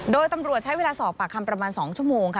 โดยตำรวจใช้เวลาสอบปากคำประมาณ๒ชั่วโมงค่ะ